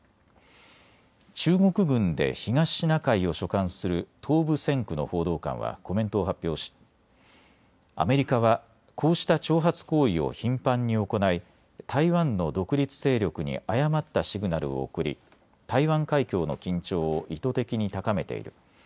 中国軍で東シナ海を所管する東部戦区の報道官はコメントを発表しアメリカはこうした挑発行為を頻繁に行い台湾の独立勢力に誤ったシグナルを送り台湾海峡の緊張を意図的に高めている。